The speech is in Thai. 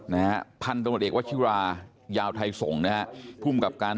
นะฮะพันธมตเอกวัชิรายาวไทยส่งนะฮะภูมิกับการ